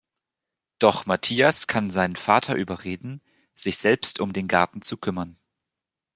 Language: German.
Doch Matthias kann seinen Vater überreden, sich selbst um den Garten zu kümmern.